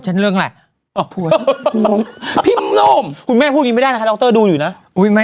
เบอร์เมียไม่มีเกอร์มานออกอยู่บนเขา